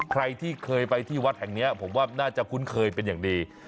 ใครที่เคยไปที่วัดแห่งนี้ผมว่าน่าจะคุ้นเคยเป็นอย่างดี